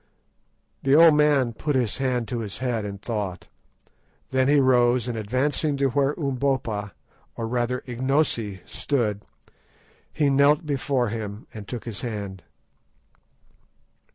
The old man put his hand to his head and thought. Then he rose, and advancing to where Umbopa, or rather Ignosi, stood, he knelt before him, and took his hand.